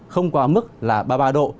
không quá mức là ba mươi ba độ